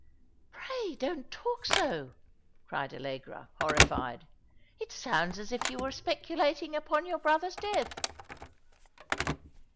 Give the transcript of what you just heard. " Pray don't talk so," cried Allegra, horrified. " It sounds as if you were speculating upon your brother's death."